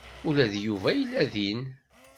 Ula d Yuba yella din.